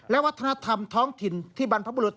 และวัฒนธรรมท้องถิ่นที่บรรพบุรุษ